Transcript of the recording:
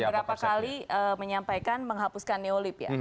pak prabowo beberapa kali menyampaikan menghapuskan neolib ya